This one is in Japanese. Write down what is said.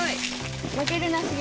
負けるなしげ。